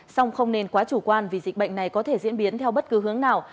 song không nên quá chủ quan vì dịch bệnh này có thể diễn biến theo bất cứ hướng nào